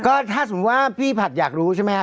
ก็ถ้าสมมุติว่าพี่ผัดอยากรู้ใช่ไหมครับ